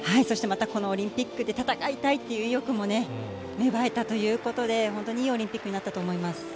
そしてまたこのオリンピックで戦いたいっていう意欲も芽生えたということで、本当にいいオリンピックになったと思います。